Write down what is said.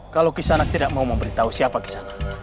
kalau kisanak tidak mau memberitahu siapa kisanak